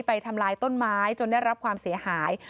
ทำลายต้นไม้จนได้รับความเสียหาย